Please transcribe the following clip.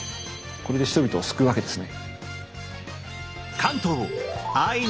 これで人々を救うわけですね。